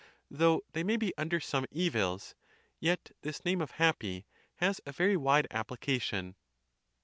Though they may be under some evils, yet this name of happy has a very wide application.